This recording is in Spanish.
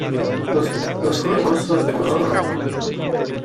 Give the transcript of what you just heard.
Los frutos son globosos de color blanco.